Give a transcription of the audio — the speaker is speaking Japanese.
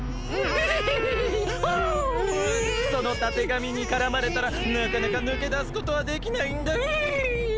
そのたてがみにからまれたらなかなかぬけだすことはできないんだヒン！